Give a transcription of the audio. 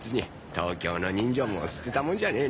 東京の人情も捨てたもんじゃねえのう。